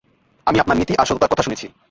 আমি আপনার নীতি আর সততার কথা শুনেছি।